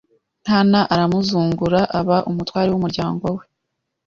Nkana aramuzungura aba umutware w’umuryango we